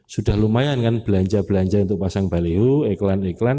sudah lumayan kan belanja belanja untuk pasang balehu eklan eklan